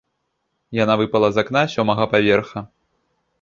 Яна выпала з акна сёмага паверха.